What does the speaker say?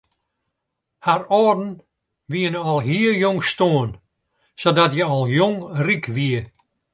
Har âlden wiene al hiel jong stoarn sadat hja al jong ryk wie.